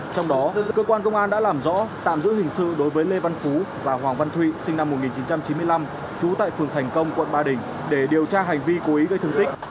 trong đó cơ quan công an đã làm rõ tạm giữ hình sự đối với lê văn phú và hoàng văn thụy sinh năm một nghìn chín trăm chín mươi năm trú tại phường thành công quận ba đình để điều tra hành vi cố ý gây thương tích